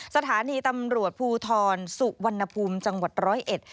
สถานีตำรวจภูทรสุวรรณภูมิจังหวัดร้อยเอ็ด